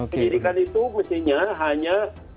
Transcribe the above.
penyidikan itu mestinya hanya